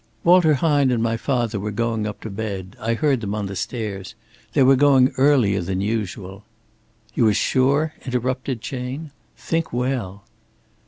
"Walter Hine and my father were going up to bed. I heard them on the stairs. They were going earlier than usual." "You are sure?" interrupted Chayne. "Think well!"